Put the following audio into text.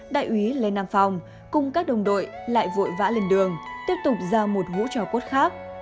đại úy lê nam phong cùng các đồng đội lại vội vã lên đường tiếp tục giao một hũ cho cốt khác